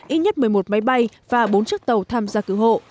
ít nhất một mươi một máy bay và bốn chiếc tàu tham gia cứu hộ